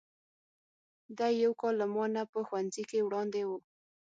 دی یو کال له ما نه په ښوونځي کې وړاندې و.